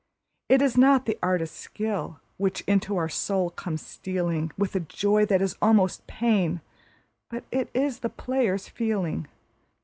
It is not the artist's skill which into our soul comes stealing With a joy that is almost pain, but it is the player's feeling.